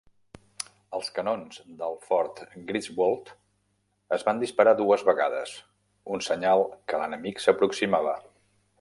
Els canons del Fort Griswold es van disparar dues vegades, un senyal que l'enemic s'aproximava.